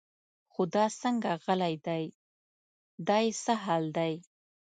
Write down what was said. خو دا څنګه غلی دی دا یې څه حال دی.